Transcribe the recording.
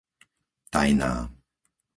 Tajná